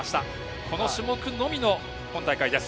この種目のみの本大会です。